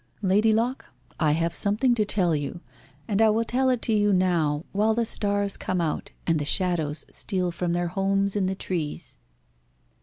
Lady Locke, I have something to tell you, and I will tell it to you now, while the stars come out, and the shadows steal from their homes in the trees.